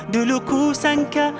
dulu ku sangka